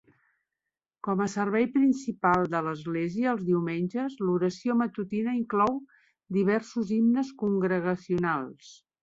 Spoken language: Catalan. Com a servei principal de l"església els diumenges, l"oració matutina inclou diversos himnes congregacionals.